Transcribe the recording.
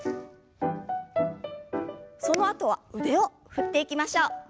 そのあとは腕を振っていきましょう。